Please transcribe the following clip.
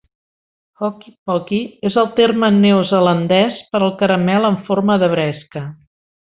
"Hokey pokey" és el terme en neozelandès per al caramel en forma de bresca.